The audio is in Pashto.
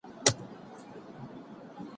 حاکم وویل ته کډه سه کاشان ته